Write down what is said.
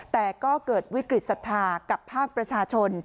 แต่ก็เกิดวิกฤตศรัทธากับภาคประชาชน